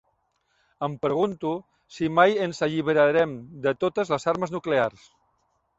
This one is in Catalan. Em pregunto si mai ens alliberarem de totes les armes nuclears.